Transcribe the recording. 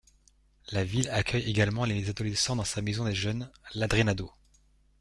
La ville accueille également les adolescents dans sa Maison des jeunes, l'Adrénado.